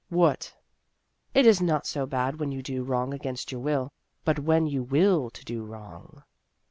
"What?" " It. is not so bad when you do wrong against your will, but when you will to do wrong